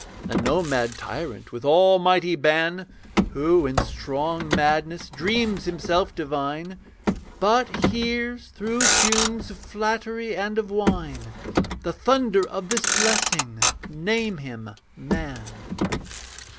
And no mad tyrant, with almighty ban, Who in strong madness dreams himself divine, But hears through fumes of flattery and of wine The thunder of this blessing name him man.